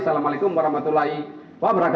assalamualaikum warahmatullahi wabarakatuh